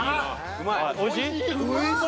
うまい？